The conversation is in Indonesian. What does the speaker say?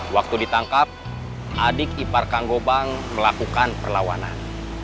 waktu ditangkap adik ipar kang gobang melakukan perlawanan